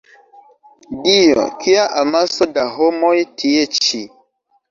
Dio! Kia amaso da homoj tie ĉi!